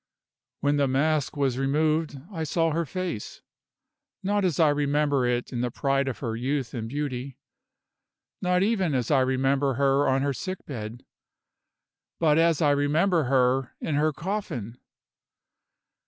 "When the mask was removed I saw her face. Not as I remember it in the pride of her youth and beauty not even as I remember her on her sick bed but as I remember her in her coffin."